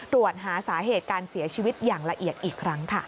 ตรวจหาสาเหตุการเสียชีวิตอย่างละเอียดอีกครั้งค่ะ